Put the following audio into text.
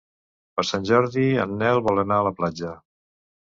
Per Sant Jordi en Nel vol anar a la platja.